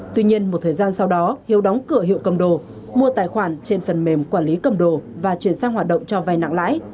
tuy nhiên một thời gian sau đó hiếu đóng cửa hiệu cầm đồ mua tài khoản trên phần mềm quản lý cầm đồ và chuyển sang hoạt động cho vai nặng lãi